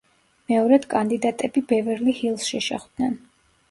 მეორედ კანდიდატები ბევერლი-ჰილზში შეხვდნენ.